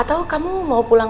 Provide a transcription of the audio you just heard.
atau kamu mau pulang